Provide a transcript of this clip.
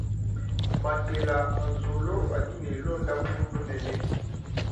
Makela a nzolo adi ne londampu lunene.